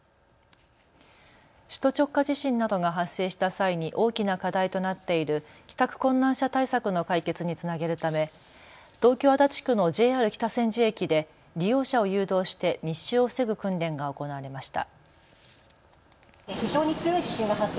首都直下地震などが発生した際に大きな課題となっている帰宅困難者対策の解決につなげるため東京足立区のＪＲ北千住駅で利用者を誘導して密集を防ぐ訓練が行われました。